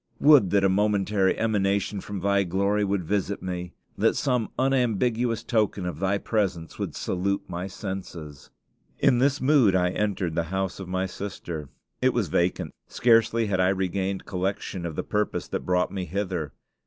Would that a momentary emanation from Thy glory would visit me! that some unambiguous token of Thy presence would salute my senses!" In this mood I entered the house of my sister. It was vacant. Scarcely had I regained recollection of the purpose that brought me hither.